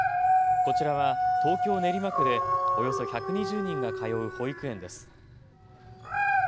こちらは東京練馬区でおよそ１２０人が通う保育園です。